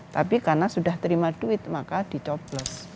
tapi karena sudah terima duit maka dicoblos